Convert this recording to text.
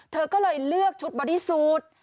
เธอก็เลยเลือกชุดบอดี้สูตร